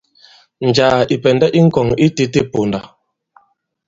Njàā ì pɛ̀ndɛ i ŋkɔ̀ŋ itētē ì ponda.